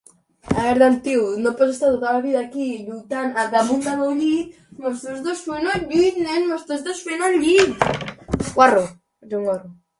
南投縣道